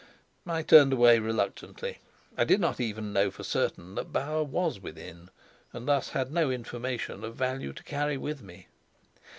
I turned away reluctantly. I did not even know for certain that Bauer was within, and thus had no information of value to carry with me.